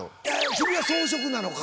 君は草食なのか？